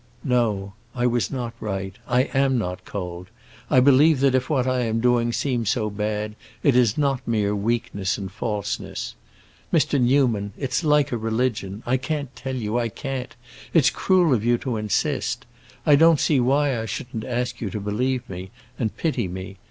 "No. I was not right—I am not cold! I believe that if I am doing what seems so bad, it is not mere weakness and falseness. Mr. Newman, it's like a religion. I can't tell you—I can't! It's cruel of you to insist. I don't see why I shouldn't ask you to believe me—and pity me.